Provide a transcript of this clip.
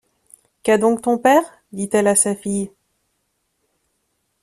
Qu’a donc ton père? dit-elle à sa fille.